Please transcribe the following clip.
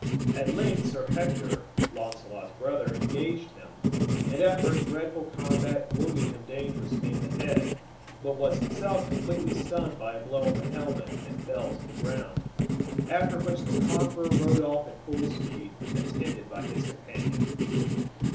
At length Sir Hector, Launcelot's brother, engaged him, and, after a dreadful combat, wounded him dangerously in the head, but was himself completely stunned by a blow on the helmet, and felled to the ground; after which the conqueror rode off at full speed, attended by his companion.